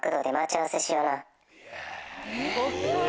え？